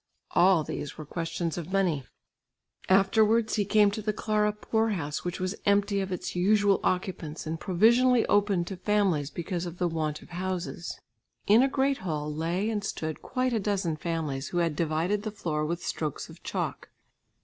All these were questions of money! Afterwards he came to the Clara poor house, which was empty of its usual occupants and provisionally opened to families because of the want of houses. In a great hall lay and stood quite a dozen families, who had divided the floor with strokes of chalk.